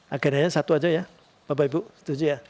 agenda nya satu saja ya bapak ibu setuju ya